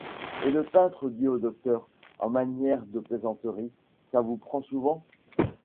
Et le peintre dit au docteur en manière de plaisanterie: — Ça vous prend souvent?